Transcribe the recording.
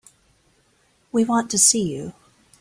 We want to see you.